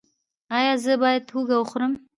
ایا زه باید هوږه وخورم؟